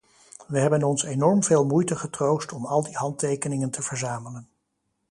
Wij hebben ons enorm veel moeite getroost om al die handtekeningen te verzamelen.